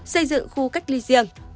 xây dựng khu cách ly riêng